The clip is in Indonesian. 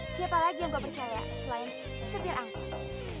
siapa lagi yang kau percaya selain supir angkot